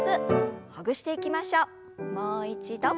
もう一度。